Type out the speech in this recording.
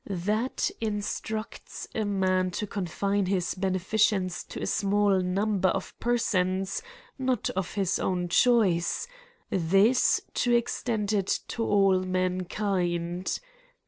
That in sti ucts a man to confine his beneficence to a small number of persons, not of his own choice; this to extend it to all mankind.